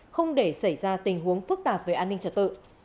không để xảy ra tình huống phức tạp về an ninh trật tự